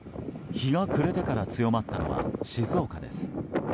日が暮れてから強まったのは静岡です。